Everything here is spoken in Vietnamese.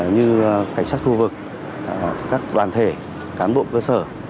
như cảnh sát khu vực các đoàn thể cán bộ cơ sở